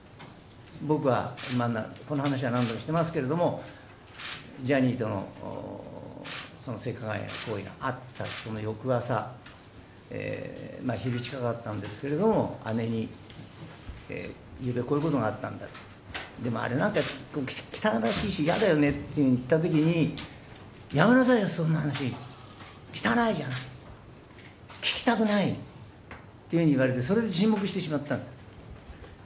僕は、この話は何度もしてますけども、ジャニーとの性加害行為があったその翌朝、昼近かったんですけれども、姉に、ゆうべこういうことがあったんだ、でもあれなんか、汚らしいし、嫌だよねって言ったときに、やめなさいよ、そんな話、汚いじゃない、聞きたくないっていうふうに言われて、それで沈黙してしまったんです。